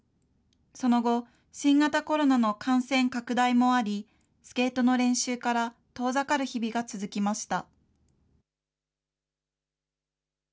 その後、新型コロナの感染拡大もあり、スケートの練習から遠ざかる日々が続きました。